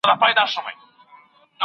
حکومتونه به د بیان ازادي ساتي.